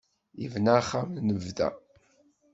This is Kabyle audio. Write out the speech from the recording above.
Yebna axxam n bda.